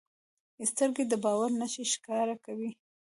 سترګې د باور نښې ښکاره کوي